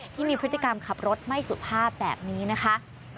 ที่มีพฤติกรรมขับรถไม่สุภาพแบบนี้นะคะ